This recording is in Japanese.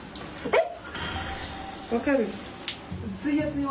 えっ！？